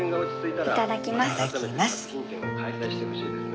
いただきます。